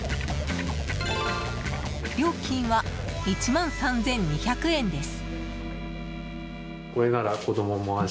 料金は１万３２００円です。